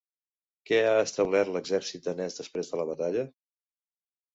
Què ha establert l'exèrcit danès després de la batalla?